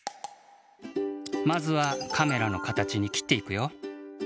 まずはカメラのかたちに切っていくよ。